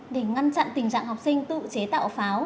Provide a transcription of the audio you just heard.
để ngăn chặn tình trạng học sinh tự chế tạo pháo